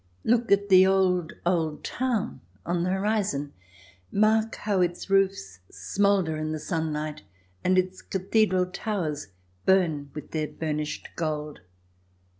Look at the old, old town on the horizon ; mark how its 214 THE DESIRABLE ALIEN [ch. xvi roofs smoulder in the sunlight and its cathedral towers burn with their burnished gold.